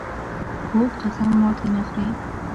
پوخ قسم ماتې نه خوري